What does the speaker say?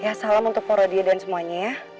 ya salam untuk porodia dan semuanya ya